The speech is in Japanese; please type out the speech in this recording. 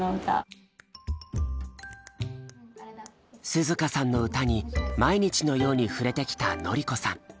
涼花さんの歌に毎日のように触れてきた典子さん。